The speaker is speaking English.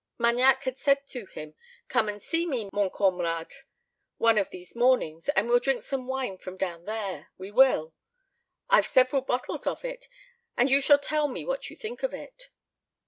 Magnac had said to him, "Come and see me, mon camarade, one of these mornings, and we'll drink some wine from down there, we will! I've several bottles of it, and you shall tell me what you think of it."